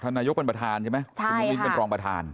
นายกเป็นประธานใช่ไหมคุณน้องมิ้นเป็นรองประธาน